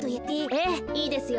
ええいいですよ。